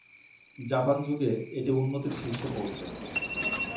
Japan যুগে এটি উন্নতির শীর্ষে পৌঁছে।